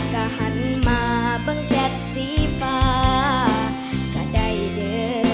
ก็หันมาเบิ้งแชทสีฟ้าก็ได้เดิน